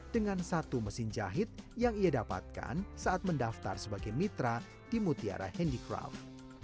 dengan satu mesin jahit yang ia dapatkan saat mendaftar sebagai mitra di mutiara handicraft